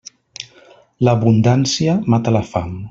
L'abundància mata la fam.